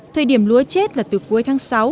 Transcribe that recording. thời điểm lúa chết là từ cuối tháng sáu